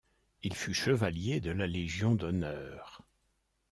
Il fut Chevalier de la Légion d'honneur.